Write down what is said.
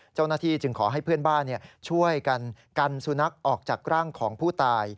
เจ้าหน้าที่จึงขอให้เพื่อนบ้านช่วยกันกันสุนัขออกจากร่างของผู้ตาย